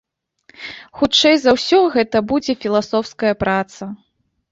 Хутчэй за ўсё, гэта будзе філасофская праца.